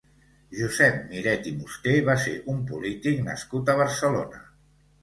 Josep Miret i Musté va ser un polític nascut a Barcelona.